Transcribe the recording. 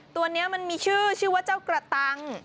ตัวนี้มันมีชื่อชื่อว่าเจ้ากระตัง